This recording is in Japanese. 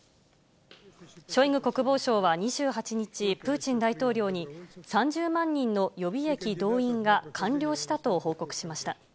ショイグ国防相は２８日、プーチン大統領に３０万人の予備役動員が完了したと報告しました。